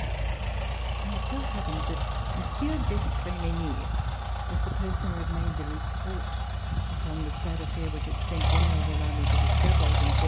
Now it so happened that Monsieur d'Espremenil was the person who had made the report upon the sad affair which had sent General de Lally to the scaffold In 1766.